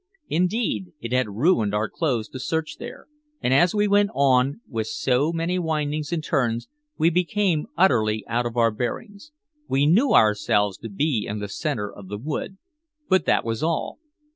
Indeed, it had ruined our clothes to search there, and as we went on with so many windings and turns we became utterly out of our bearings. We knew ourselves to be in the center of the wood, but that was all.